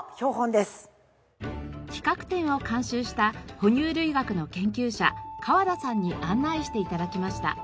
企画展を監修した哺乳類学の研究者川田さんに案内して頂きました。